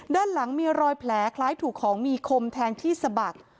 ด้านหลังมีรอยแผลคล้ายถูกของมีคมแทงที่สะบัก